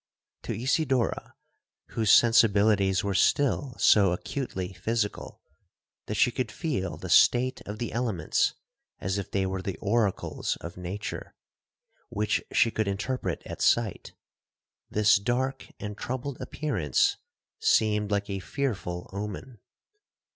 'To Isidora, whose sensibilities were still so acutely physical, that she could feel the state of the elements as if they were the oracles of nature, which she could interpret at sight,—this dark and troubled appearance seemed like a fearful omen.